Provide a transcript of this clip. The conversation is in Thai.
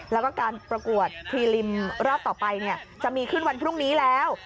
แล้วก็การประกวดพรีลิมรอบต่อไปจะมีขึ้นวันพรุ่งนี้แล้ว